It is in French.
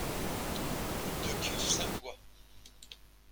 Route de Cuves, Saint-Pois